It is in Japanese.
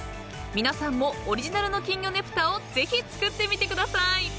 ［皆さんもオリジナルの金魚ねぷたをぜひ作ってみてください］